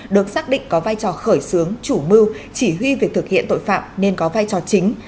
được xác định có vai trò khởi xướng chủ mưu chỉ huy việc thực hiện tội phạm nên có vai trò chính